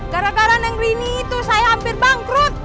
gara gara neng rini itu saya hampir bangkrut